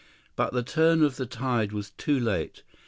But the turn of the tide was too late.